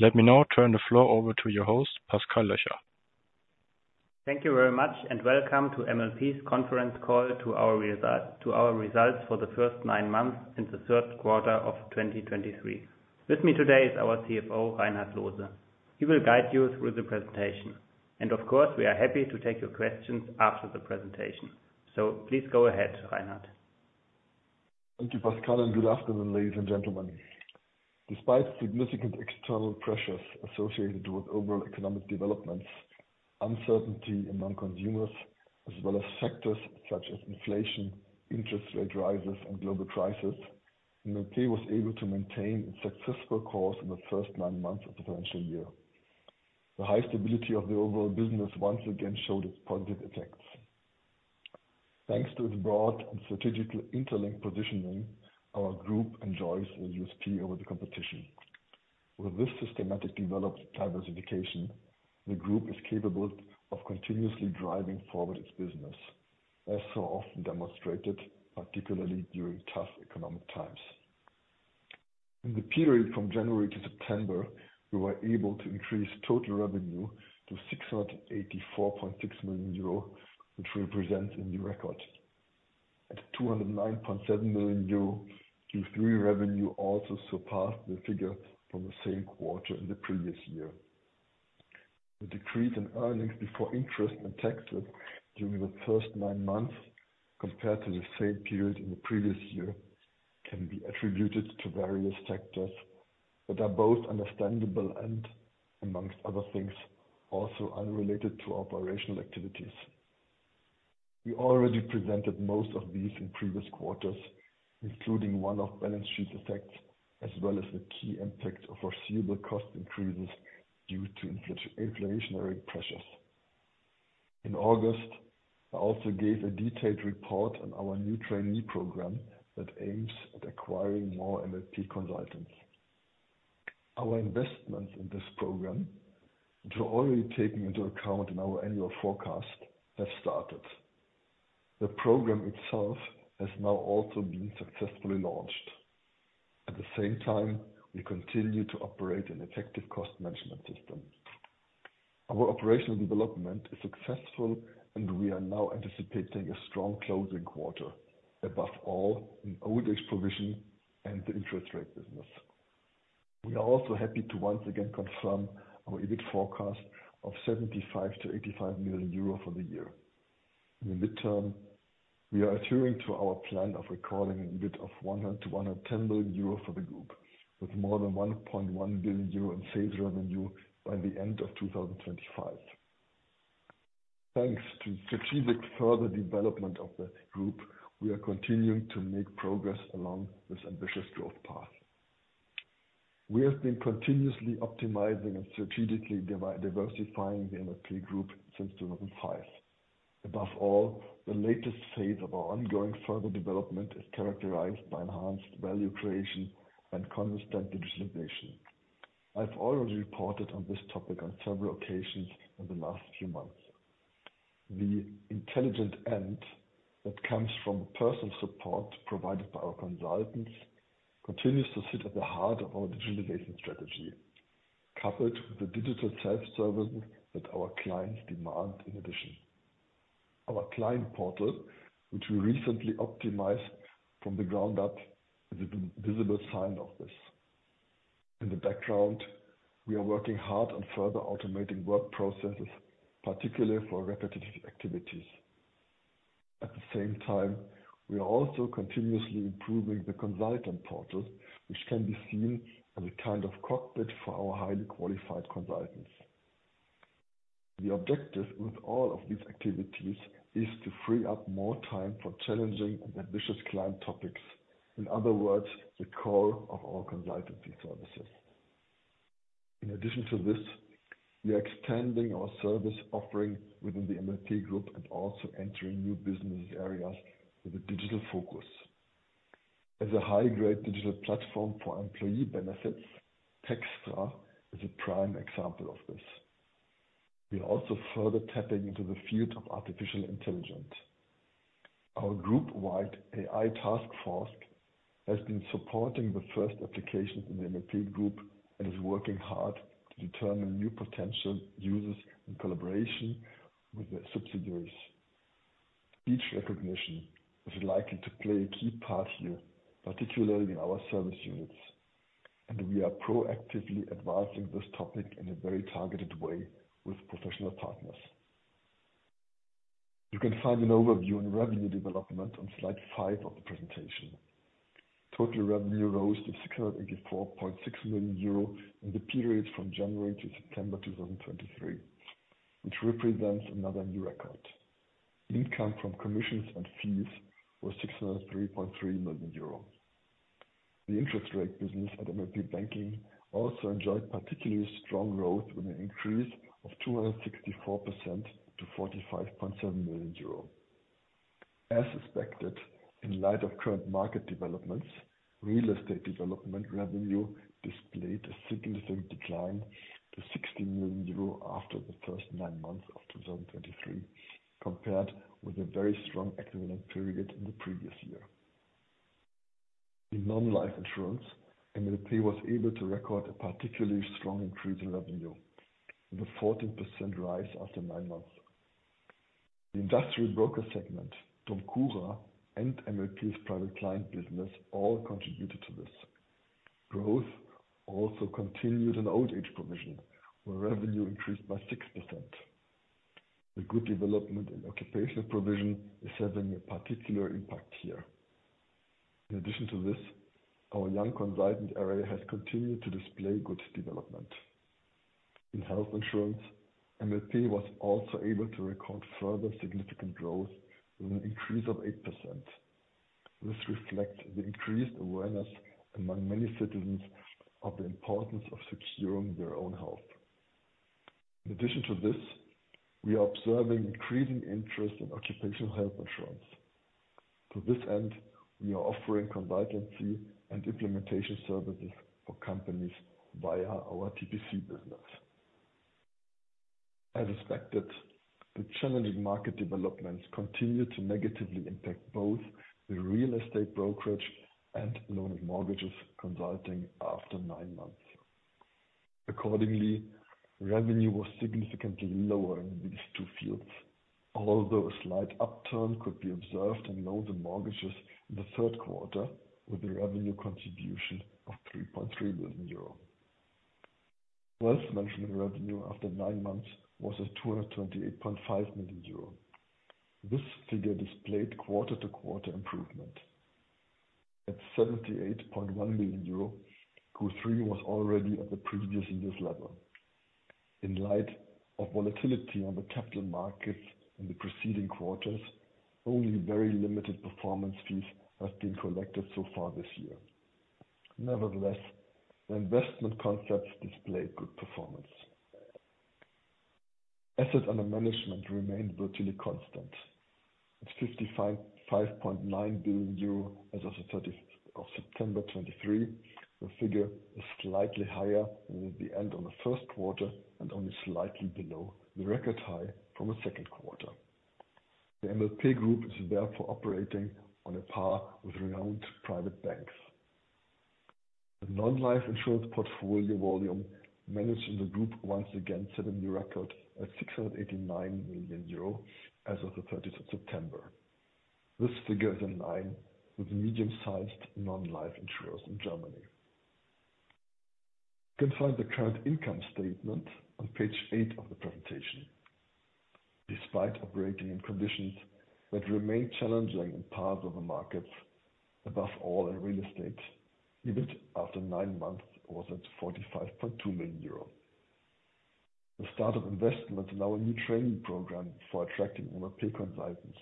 Let me now turn the floor over to your host, Pascal Löcher. Thank you very much, and welcome to MLP's conference call to our results for the first nine months and the third quarter of 2023. With me today is our CFO, Reinhard Loose. He will guide you through the presentation, and of course, we are happy to take your questions after the presentation. So please go ahead, Reinhard. Thank you, Pascal, and good afternoon, ladies and gentlemen. Despite significant external pressures associated with overall economic developments, uncertainty among consumers, as well as factors such as inflation, interest rate rises, and global crisis, MLP was able to maintain its successful course in the first nine months of the financial year. The high stability of the overall business once again showed its positive effects. Thanks to its broad and strategic interlink positioning, our group enjoys a USP over the competition. With this systematically developed diversification, the group is capable of continuously driving forward its business, as so often demonstrated, particularly during tough economic times. In the period from January to September, we were able to increase total revenue to 684.6 million euro, which represents a new record. At 209.7 million euro, Q3 revenue also surpassed the figure from the same quarter in the previous year. The decrease in earnings before interest and taxes during the first nine months compared to the same period in the previous year can be attributed to various factors that are both understandable and, among other things, also unrelated to operational activities. We already presented most of these in previous quarters, including one-off balance sheet effects, as well as the key impact of foreseeable cost increases due to inflationary pressures. In August, I also gave a detailed report on our new trainee program that aims at acquiring more MLP consultants. Our investment in this program, which are already taken into account in our annual forecast, have started. The program itself has now also been successfully launched. At the same time, we continue to operate an effective cost management system. Our operational development is successful, and we are now anticipating a strong closing quarter, above all, in old age provision and the interest rate business. We are also happy to once again confirm our EBIT forecast of 75 million-85 million euro for the year. In the midterm, we are adhering to our plan of recording an EBIT of 100 million-110 million euro for the group, with more than 1.1 billion euro in sales revenue by the end of 2025. Thanks to strategic further development of the group, we are continuing to make progress along this ambitious growth path. We have been continuously optimizing and strategically diversifying the MLP Group since 2005. Above all, the latest phase of our ongoing further development is characterized by enhanced value creation and consistent digitalization. I've already reported on this topic on several occasions in the last few months. The intelligent end that comes from personal support provided by our consultants continues to sit at the heart of our digitalization strategy, coupled with the digital self-service that our clients demand in addition. Our client portal, which we recently optimized from the ground up, is a visible sign of this. In the background, we are working hard on further automating work processes, particularly for repetitive activities. At the same time, we are also continuously improving the consultant portal, which can be seen as a kind of cockpit for our highly qualified consultants. The objective with all of these activities is to free up more time for challenging and ambitious client topics. In other words, the core of our consultancy services. In addition to this, we are extending our service offering within the MLP group and also entering new business areas with a digital focus. As a high-grade digital platform for employee benefits, Textra is a prime example of this. We are also further tapping into the field of artificial intelligence. Our group-wide AI task force has been supporting the first applications in the MLP group and is working hard to determine new potential uses in collaboration with the subsidiaries. Speech recognition is likely to play a key part here, particularly in our service units, and we are proactively advancing this topic in a very targeted way with professional partners. You can find an overview on revenue development on slide five of the presentation. Total revenue rose to 684.6 million euro in the period from January to September 2023, which represents another new record. Income from commissions and fees was 603.3 million euros. The interest rate business at MLP Banking also enjoyed particularly strong growth, with an increase of 264% to 45.7 million euro. As expected, in light of current market developments, real estate development revenue displayed a significant decline to 60 million euro after the first nine months of 2023, compared with a very strong equivalent period in the previous year. In non-life insurance, MLP was able to record a particularly strong increase in revenue, with a 14% rise after nine months. The industrial broker segment, DOMCURA, and MLP's private client business, all contributed to this. Growth also continued in old age provision, where revenue increased by 6%. The good development in occupational provision is having a particular impact here. In addition to this, our young consultant area has continued to display good development. In health insurance, MLP was also able to record further significant growth with an increase of 8%. This reflects the increased awareness among many citizens of the importance of securing their own health. In addition to this, we are observing increasing interest in occupational health insurance. To this end, we are offering consultancy and implementation services for companies via our TPC business. As expected, the challenging market developments continued to negatively impact both the real estate brokerage and loan and mortgages consulting after nine months. Accordingly, revenue was significantly lower in these two fields, although a slight upturn could be observed in loans and mortgages in the third quarter, with a revenue contribution of 3.3 million euro. Wealth management revenue after nine months was at 228.5 million euro. This figure displayed quarter-to-quarter improvement. At 78.1 million euro, Q3 was already at the previous year's level. In light of volatility on the capital markets in the preceding quarters, only very limited performance fees have been collected so far this year. Nevertheless, the investment concepts displayed good performance. Assets under management remained virtually constant. At 55.9 billion euro as of the 30th of September 2023, the figure is slightly higher than at the end of the first quarter and only slightly below the record high from the second quarter. The MLP Group is therefore operating on a par with renowned private banks. The non-life insurance portfolio volume managed in the group once again set a new record at 689 million euro as of the 30th of September. This figure is in line with medium-sized non-life insurers in Germany. You can find the current income statement on page eight of the presentation. Despite operating in conditions that remain challenging in parts of the markets, above all in real estate, EBIT after nine months was at 45.2 million euro. The start of investment in our new training program for attracting MLP consultants,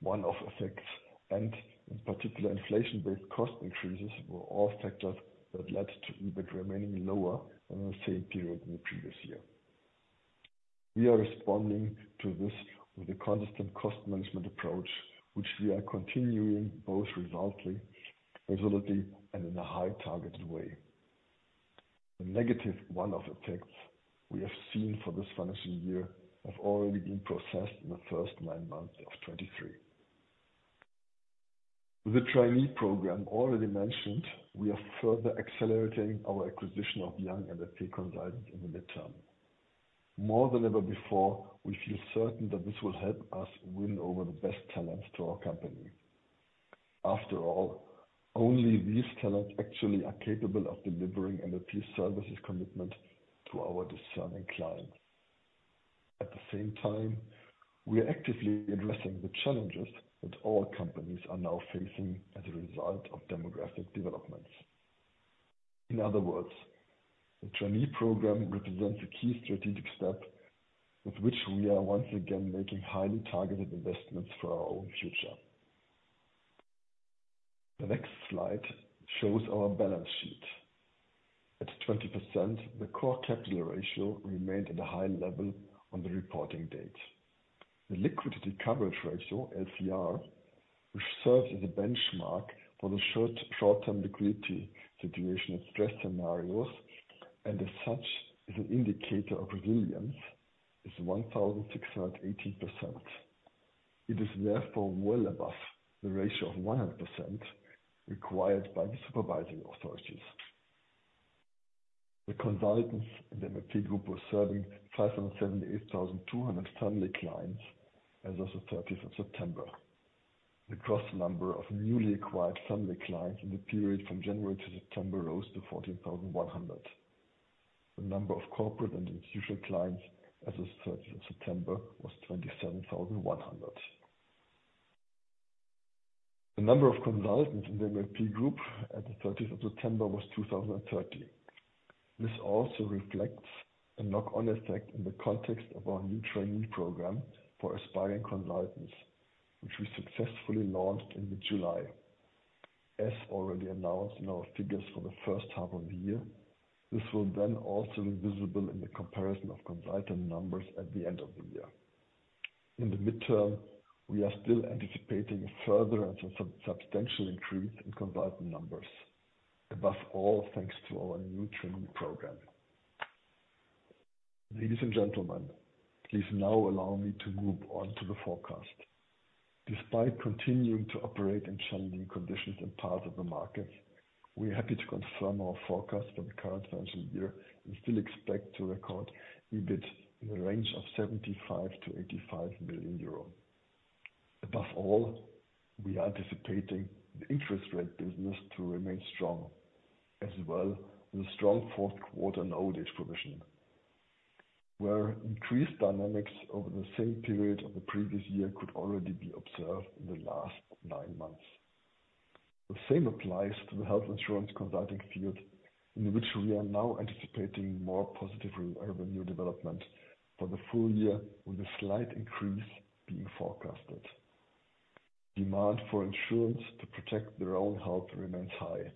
one-off effects, and in particular, inflation-based cost increases, were all factors that led to EBIT remaining lower than the same period in the previous year. We are responding to this with a consistent cost management approach, which we are continuing both resolutely, resolutely, and in a highly targeted way. The negative one-off effects we have seen for this financial year have already been processed in the first nine months of 2023. With the trainee program already mentioned, we are further accelerating our acquisition of young MLP consultants in the midterm. More than ever before, we feel certain that this will help us win over the best talents to our company. After all, only these talents actually are capable of delivering MLP service commitment to our discerning clients. At the same time, we are actively addressing the challenges that all companies are now facing as a result of demographic developments. In other words, the trainee program represents a key strategic step with which we are once again making highly targeted investments for our own future. The next slide shows our balance sheet. At 20%, the core capital ratio remained at a high level on the reporting date. The liquidity coverage ratio, LCR, which serves as a benchmark for the short-term liquidity situation of stress scenarios, and as such, is an indicator of resilience, is 1,618%. It is therefore well above the ratio of 100% required by the supervising authorities. The consultants in the MLP Group were serving 578,200 family clients as of the 30th of September. The gross number of newly acquired family clients in the period from January to September rose to 14,100. The number of corporate and institutional clients as of 30th of September was 27,100. The number of consultants in the MLP Group at the 30th of September was 2,030. This also reflects a knock-on effect in the context of our new trainee program for aspiring consultants, which we successfully launched in mid-July. As already announced in our figures for the first half of the year, this will then also be visible in the comparison of consultant numbers at the end of the year. In the midterm, we are still anticipating a further and substantial increase in consultant numbers. Above all, thanks to our new training program... Ladies and gentlemen, please now allow me to move on to the forecast. Despite continuing to operate in challenging conditions in part of the market, we are happy to confirm our forecast for the current financial year, and still expect to record EBIT in the range of 75 million-85 million euro. Above all, we are anticipating the interest rate business to remain strong, as well as a strong fourth quarter in old age provision, where increased dynamics over the same period of the previous year could already be observed in the last nine months. The same applies to the health insurance consulting field, in which we are now anticipating more positive revenue development for the full year, with a slight increase being forecasted. Demand for insurance to protect their own health remains high,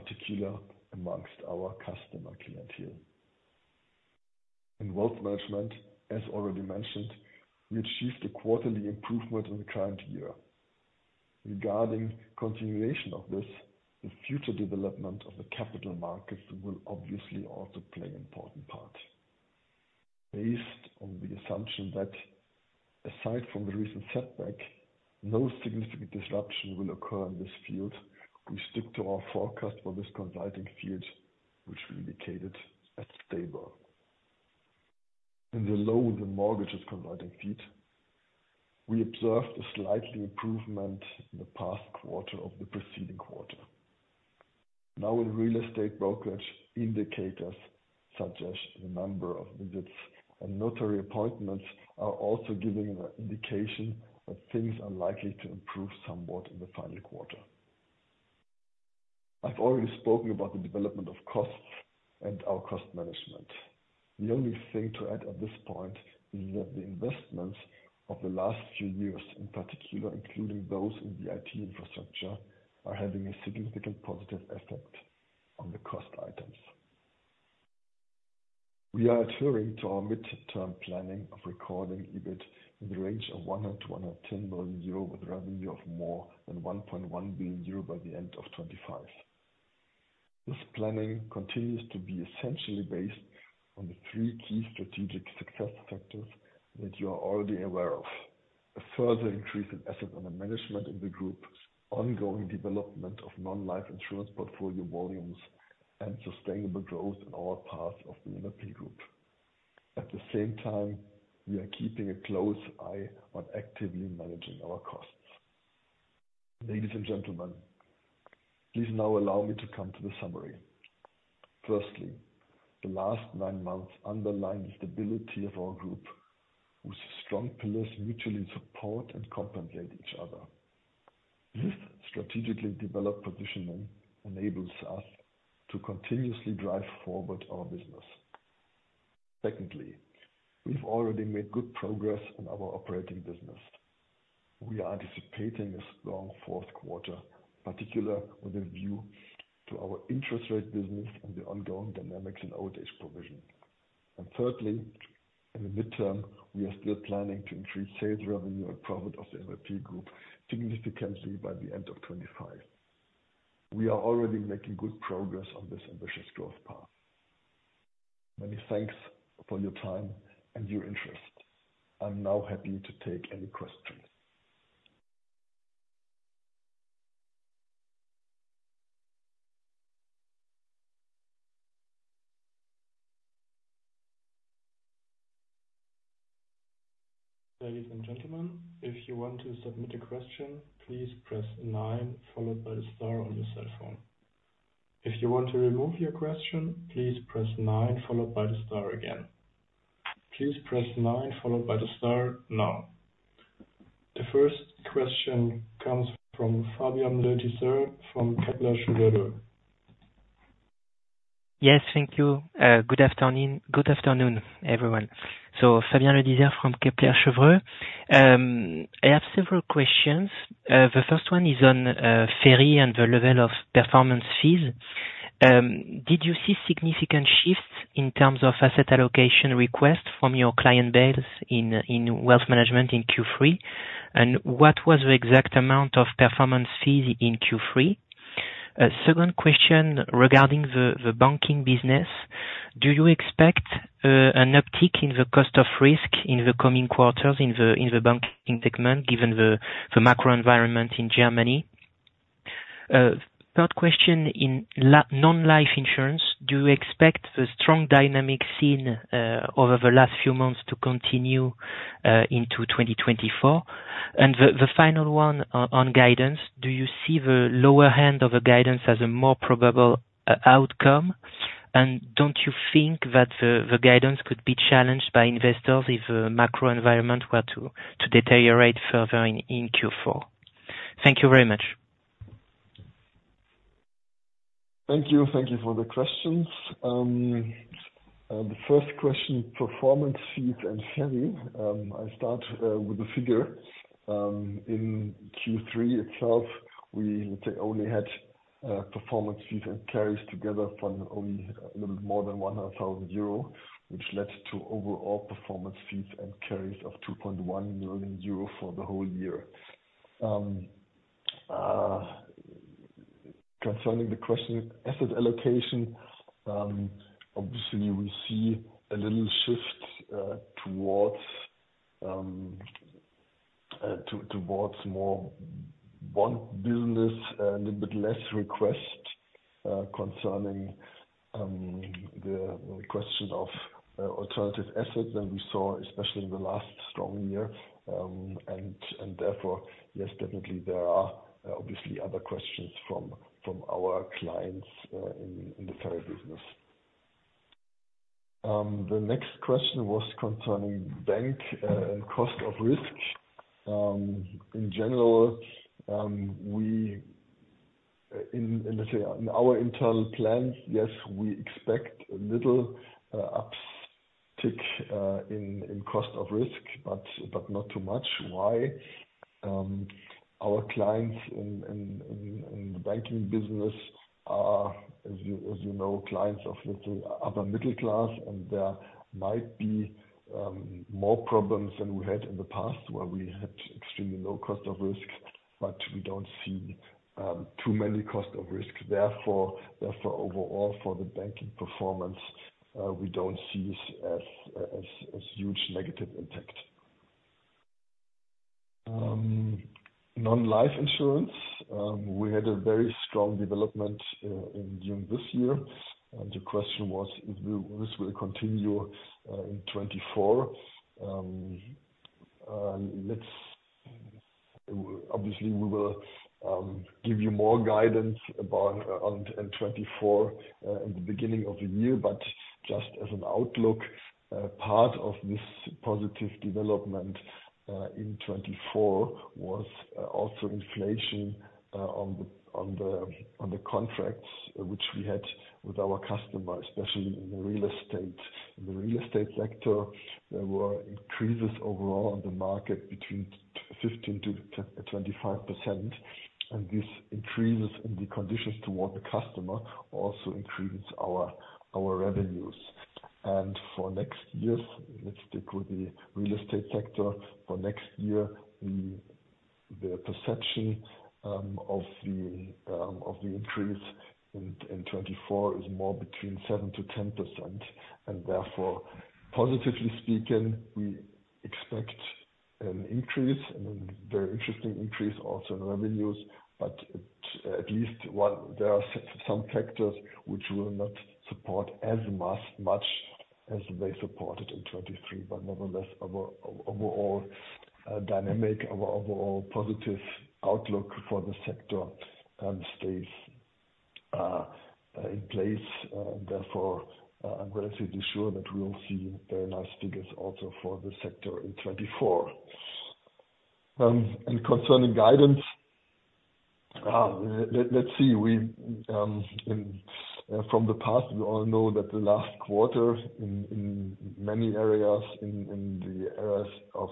particularly among our customer clientele. In wealth management, as already mentioned, we achieved a quarterly improvement in the current year. Regarding continuation of this, the future development of the capital markets will obviously also play an important part. Based on the assumption that aside from the recent setback, no significant disruption will occur in this field, we stick to our forecast for this consulting field, which we indicated as stable. In the loans and mortgages consulting field, we observed a slight improvement in the past quarter of the preceding quarter. Now, in real estate brokerage, indicators such as the number of visits and notary appointments are also giving an indication that things are likely to improve somewhat in the final quarter. I've already spoken about the development of costs and our cost management. The only thing to add at this point is that the investments of the last few years, in particular, including those in the IT infrastructure, are having a significant positive effect on the cost items. We are adhering to our midterm planning of recording EBIT in the range of 100 million-110 million euro, with revenue of more than 1.1 billion euro by the end of 2025. This planning continues to be essentially based on the three key strategic success factors that you are already aware of. A further increase in assets under management in the group, ongoing development of non-life insurance portfolio volumes, and sustainable growth in all parts of the MLP group. At the same time, we are keeping a close eye on actively managing our costs. Ladies and gentlemen, please now allow me to come to the summary. Firstly, the last nine months underline the stability of our group, whose strong pillars mutually support and complement each other. This strategically developed positioning enables us to continuously drive forward our business. Secondly, we've already made good progress in our operating business. We are anticipating a strong fourth quarter, particularly with a view to our interest rate business and the ongoing dynamics in old age provision. And thirdly, in the midterm, we are still planning to increase sales revenue and profit of the MLP Group significantly by the end of 2025. We are already making good progress on this ambitious growth path. Many thanks for your time and your interest. I'm now happy to take any questions. Ladies and gentlemen, if you want to submit a question, please press nine, followed by the star on your cell phone. If you want to remove your question, please press nine, followed by the star again. Please press nine, followed by the star now. The first question comes from Fabien Le Disert from Kepler Cheuvreux. Yes, thank you. Good afternoon, good afternoon, everyone. So Fabien Le Disert from Kepler Cheuvreux. I have several questions. The first one is on FERI and the level of performance fees. Did you see significant shifts in terms of asset allocation requests from your client base in wealth management in Q3? And what was the exact amount of performance fees in Q3? Second question regarding the banking business: Do you expect an uptick in the cost of risk in the coming quarters, in the banking segment, given the macro environment in Germany? Third question, in non-life insurance, do you expect the strong dynamic seen over the last few months to continue into 2024? The final one on guidance: Do you see the lower hand of the guidance as a more probable outcome? And don't you think that the guidance could be challenged by investors if the macro environment were to deteriorate further in Q4? Thank you very much. Thank you. Thank you for the questions. The first question, performance fees and FERI. I'll start with the figure. In Q3 itself, we only had performance fees and FERI together from only a little more than 100,000 euro, which led to overall performance fees and FERI of 2.1 million euro for the whole year. Concerning the question, asset allocation, obviously we see a little shift towards more bond business and a bit less request concerning the question of alternative assets than we saw, especially in the last strong year. And therefore, yes, definitely there are obviously other questions from our clients in the FERI business. The next question was concerning bank and cost of risk. In general, in let's say, in our internal plans, yes, we expect a little uptick in cost of risk, but not too much. Why? Our clients in the banking business are, as you know, clients of little upper middle class, and there might be more problems than we had in the past, where we had extremely low cost of risk. But we don't see too many cost of risk. Therefore, overall, for the banking performance, we don't see this as huge negative impact. Non-life insurance, we had a very strong development in June this year, and the question was if this will continue in 2024. Let's obviously, we will give you more guidance about on in 2024 in the beginning of the year. But just as an outlook, part of this positive development in 2024 was also inflation on the contracts which we had with our customers, especially in the real estate. In the real estate sector, there were increases overall on the market between 15%-25%, and this increases in the conditions toward the customer also increase our revenues. And for next year, let's stick with the real estate sector. For next year, the perception of the increase in 2024 is more between 7%-10%, and therefore, positively speaking, we expect an increase and a very interesting increase also in revenues. But at least one, there are some factors which will not support as much as they supported in 2023. But nevertheless, our overall dynamic, our overall positive outlook for the sector, stays in place. Therefore, I'm relatively sure that we will see very nice figures also for the sector in 2024. And concerning guidance, let's see, from the past, we all know that the last quarter in many areas, in the areas of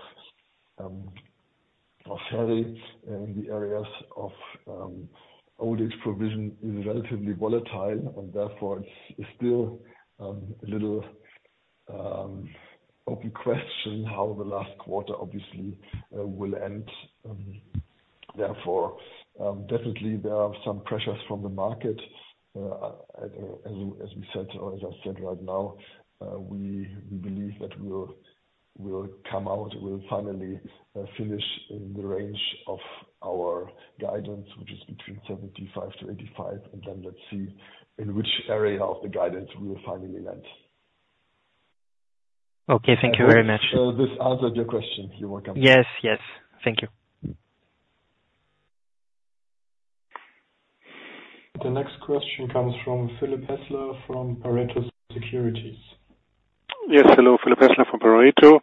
FERI and the areas of old age provision, is relatively volatile. And therefore it's still a little open question, how the last quarter obviously will end. Therefore, definitely there are some pressures from the market. As we said, or as I said right now, we believe that we'll come out, we'll finally finish in the range of our guidance, which is between 75- 85, and then let's see in which area of the guidance we will finally land. Okay, thank you very much. I hope this answered your question. You're welcome. Yes, yes, thank you. The next question comes from Philipp Hässler, from Pareto Securities. Yes. Hello, Philipp Hässler from Pareto.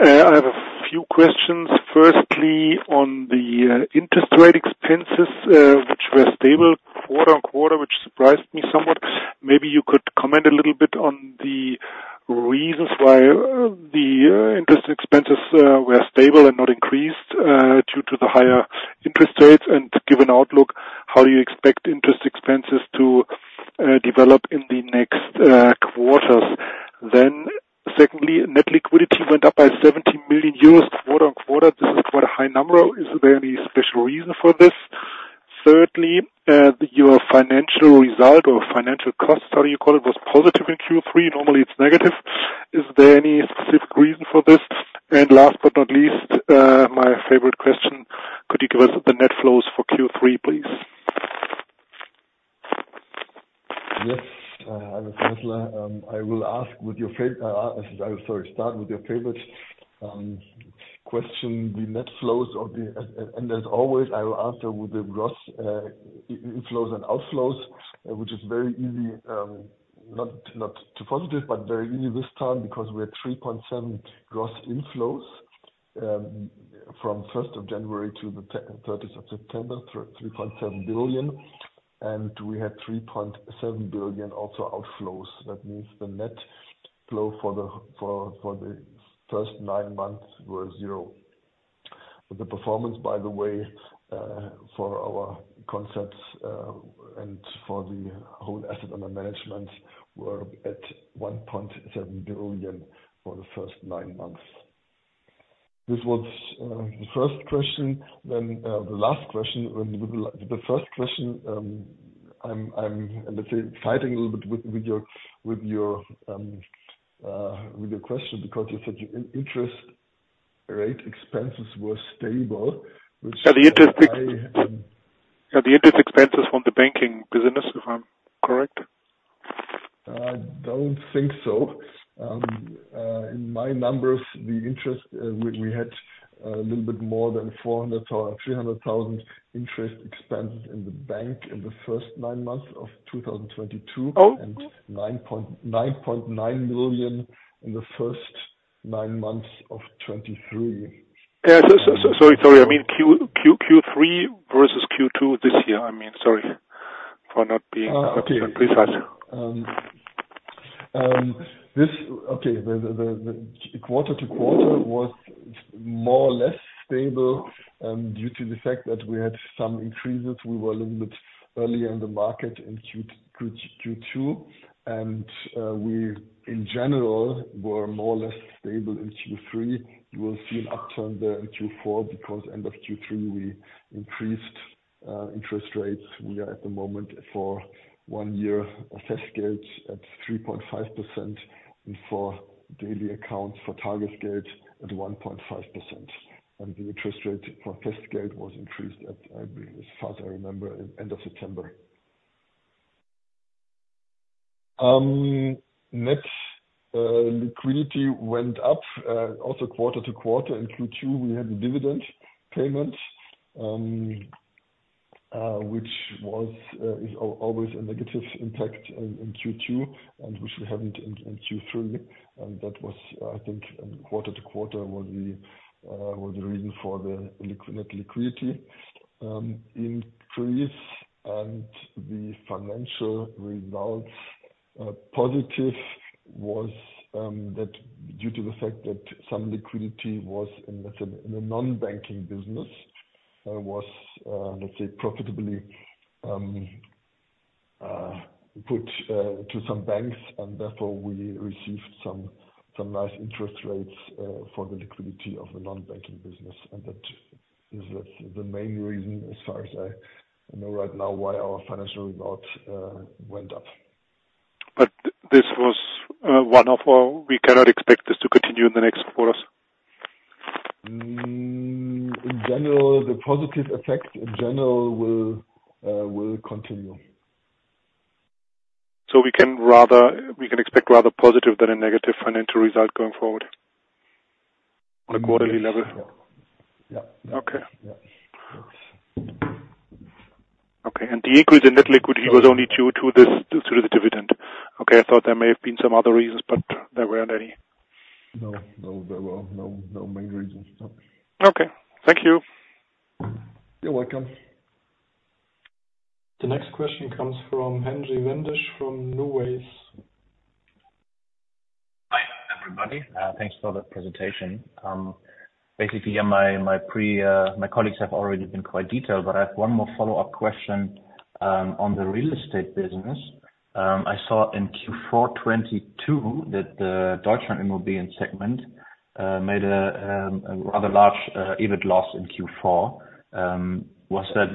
I have a few questions. Firstly, on the interest rate expenses, which were stable quarter-on-quarter, which surprised me somewhat. Maybe you could comment a little bit on the reasons why the interest expenses were stable and not increased due to the higher interest rates. And given outlook, how do you expect interest expenses to develop in the next quarters? Then secondly, net liquidity went up by 70 million euros, quarter-on-quarter. This is quite a high number. Is there any special reason for this? Thirdly, your financial result or financial cost, how you call it, was positive in Q3. Normally, it's negative. Is there any specific reason for this? And last but not least, my favorite question: Could you give us the net flows for Q3, please? Yes, hello, Hässler. Sorry. Start with your favorite question, the net flows of the... and as always, I will answer with the gross inflows and outflows, which is very easy, not too positive, but very easy this time, because we had 3.7 billion gross inflows from 1st of January to the 30th of September, and we had 3.7 billion also outflows. That means the net flow for the first nine months were zero. But the performance, by the way, for our concepts and for the whole assets under management, were at 1.7 billion for the first nine months... This was the first question, then the last question. When the first question, I'm, let's say, fighting a little bit with your question because you said your interest rate expenses were stable, which- The interest expenses from the banking business, if I'm correct? I don't think so. In my numbers, the interest, we had a little bit more than 400 thousand or 300 thousand interest expenses in the bank in the first nine months of 2022. Oh! 9.9 million in the first nine months of 2023. Yeah. Sorry, sorry. I mean, Q3 versus Q2 this year. I mean, sorry for not being- Oh, okay. - precise. Okay. The quarter-to-quarter was more or less stable due to the fact that we had some increases. We were a little bit earlier in the market in Q2, and we in general were more or less stable in Q3. You will see an upturn there in Q4 because end of Q3, we increased interest rates. We are at the moment for one-year Festgeld at 3.5%, and for daily accounts for Tagesgeld at 1.5%. The interest rate for Festgeld was increased at, I be- as far as I remember, end of September. Net liquidity went up also quarter-to-quarter. In Q2, we had a dividend payment, which was, is always a negative impact in Q2, and which we haven't in Q3. And that was, I think, quarter to quarter was the reason for the net liquidity increase. And the financial results positive was that due to the fact that some liquidity was in the non-banking business was let's say profitably put to some banks, and therefore we received some nice interest rates for the liquidity of the non-banking business. And that is the main reason as far as I know right now, why our financial results went up. But this was, one-off, or we cannot expect this to continue in the next quarters? In general, the positive effect in general will continue. So we can expect rather positive than a negative financial result going forward on a quarterly level? Yeah. Okay. Yeah. Okay, and the increase in net liquidity was only due to this, due to the dividend. Okay. I thought there may have been some other reasons, but there weren't any. No. No, there were no, no main reasons. No. Okay. Thank you. You're welcome. The next question comes from Henry Wendisch, from NuWays. Hi, everybody. Thanks for the presentation. Basically, yeah, my colleagues have already been quite detailed, but I have one more follow-up question on the real estate business. I saw in Q4 2022 that the Deutschland.Immobilien segment made a rather large EBIT loss in Q4. Was that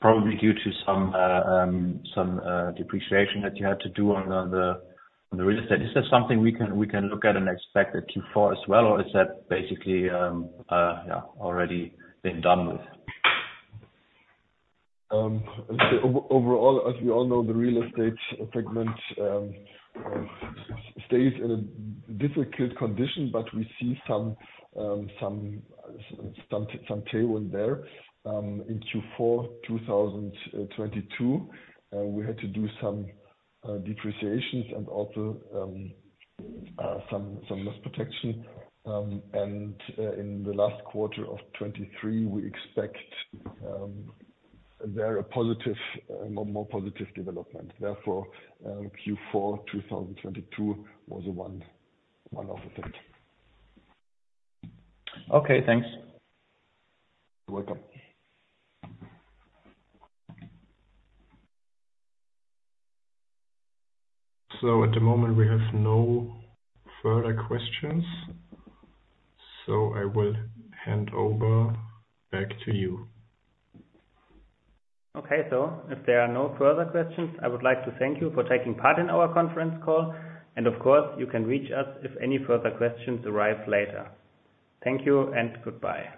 probably due to some depreciation that you had to do on the real estate? Is that something we can look at and expect at Q4 as well, or is that basically yeah, already been done with? Overall, as we all know, the real estate segment stays in a difficult condition, but we see some tailwind there. In Q4 2022, we had to do some depreciations and also some loss protection. In the last quarter of 2023, we expect there a positive more positive development. Therefore, Q4 2022 was a one-off effect. Okay, thanks. You're welcome. At the moment, we have no further questions, so I will hand over back to you. Okay. If there are no further questions, I would like to thank you for taking part in our conference call. Of course, you can reach us if any further questions arrive later. Thank you, and goodbye.